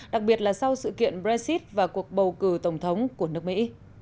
đặc biệt là sau sự kiện brexit và cuộc bầu cử tổng thống của nước mỹ